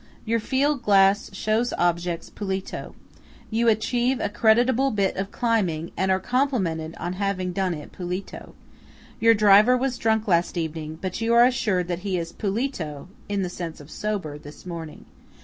Your field glass shows objects "pulito." You achieve a creditable bit of climbing, and are complimented on having done it "pulito." Your driver was drunk last evening, but you are assured that he is "pulito" (in the sense of sober) this morning.